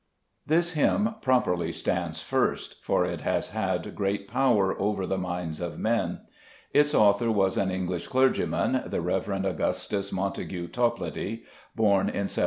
This hymn properly stands first, for it has had great power over the minds of men. Its author was an English clergyman, the Rev. Augustus Montague Toplady, born in 1740.